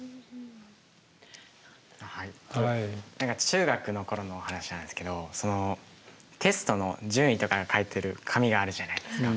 中学の頃の話なんですけどテストの順位とかが書いてある紙があるじゃないですか。